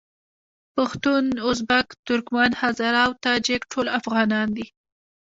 پښتون، ازبک، ترکمن، هزاره او تاجک ټول افغانان دي.